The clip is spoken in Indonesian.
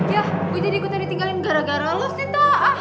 ya gue jadi ikutan ditinggalin gara gara lo sih tak